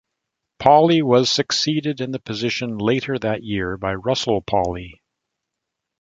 Pawley was succeeded in the position later that year by Russell Paulley.